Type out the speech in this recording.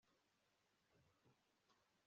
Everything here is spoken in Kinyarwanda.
usanga mbateye imbogamizi